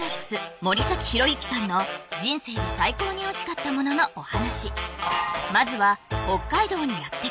森崎博之さんの人生で最高においしかったもののお話